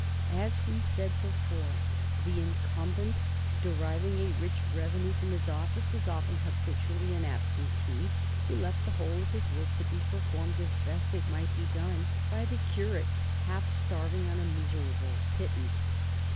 As we said before, the incumbent deriving a rich revenue from his office was often habitually an absentee, who left the whole of his work to be performed, as best it might be done, by the curate, half starving on a miserable pittance.